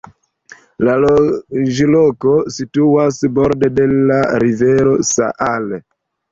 La loĝloko situas borde de la rivero Saale.